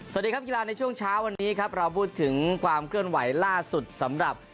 สวัสดีครับกีฬาในช่วงเช้าวันนี้ครับเราพูดถึงความเคลื่อนไหวล่าสุดสำหรับ